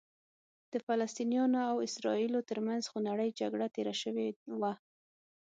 د فلسطینیانو او اسرائیلو ترمنځ خونړۍ جګړه تېره شوې وه.